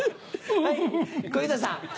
はい小遊三さん。